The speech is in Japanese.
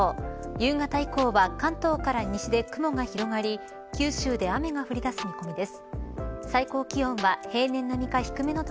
夕方以降は関東から西で雲が広がり九州で雨が降りだす見込みです。